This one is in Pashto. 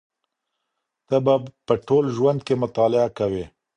ته به په ټول ژوند کي مطالعه کوې.